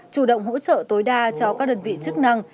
chủ động hỗ trợ tối đa cho các đơn vị chức năng